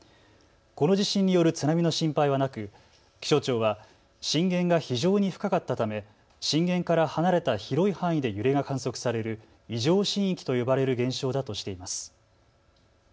この地震による津波の心配はなく気象庁は震源が非常に深かったため震源から離れた広い範囲で揺れが観測される異常震域と呼ばれる現象だとしています。